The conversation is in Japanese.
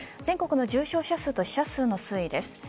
全国の重症者数と死者数の推移です。